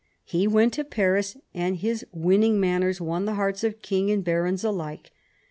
He went to Paris, and his winning manners won the hearts of king and barons alike.